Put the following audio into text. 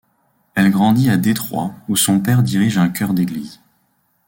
Elle grandit à Détroit où son père dirige un chœur d'église.